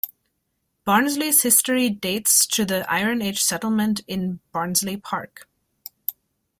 Barnsley's history dates to the Iron Age settlement in Barnsley Park.